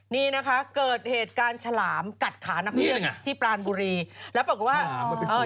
นี่นะคะเกิดเหตุการณ์ฉลามกัดขานักเนื้อที่ปรานบุรี